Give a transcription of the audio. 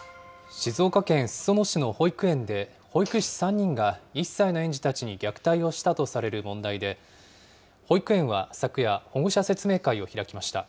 静岡県裾野市の保育園で、保育士３人が１歳の園児たちに虐待をしたとされる問題で、保育園は昨夜、保護者説明会を開きました。